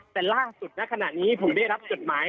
แต่ล่าสุดณขณะนี้ผมได้รับจดหมาย